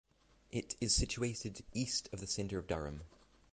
It is situated east of the centre of Durham.